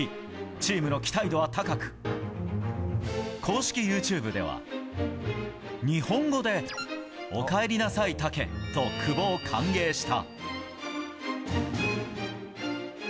チームの期待度は高く公式ＹｏｕＴｕｂｅでは日本語で「お帰りなさい、タケ！」と久保を歓迎した。